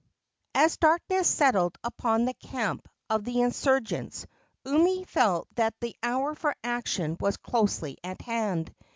As darkness settled upon the camp of the insurgents Umi felt that the hour for action was closely at hand.